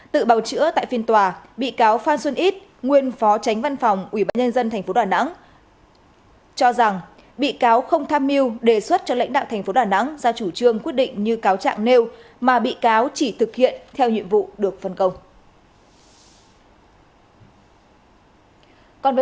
tự bào chữa tại phiên tòa bị cáo phan xuân ít nguyên phó tránh văn phòng ủy bãi nhân dân thành phố đà nẵng cho rằng bị cáo không tham mưu đề xuất cho lãnh đạo thành phố đà nẵng ra chủ trương quyết định như cáo trạng nêu mà bị cáo chỉ thực hiện theo nhiệm vụ được phân công